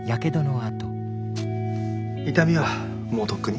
痛みはもうとっくに。